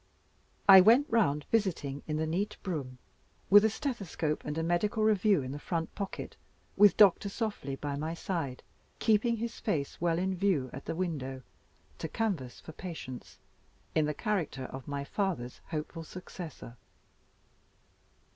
I went round visiting in the neat brougham with a stethoscope and medical review in the front pocket, with Doctor Softly by my side, keeping his face well in view at the window to canvass for patients, in the character of my father's hopeful successor.